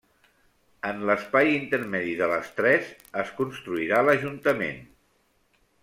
En l'espai intermedi de les tres es construirà l'Ajuntament.